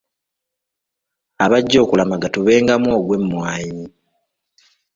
Abajja okulamaga tubengamu ogw’emmwanyi.